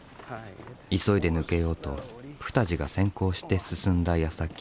急いで抜けようとプタジが先行して進んだやさき。